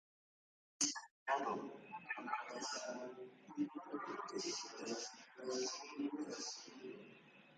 A partir de allí empezó a recuperarse en forma lenta.